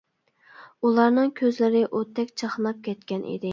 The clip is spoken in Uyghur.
ئۇلارنىڭ كۆزلىرى ئوتتەك چاقناپ كەتكەن ئىدى.